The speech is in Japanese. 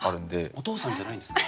お父さんじゃないんですか？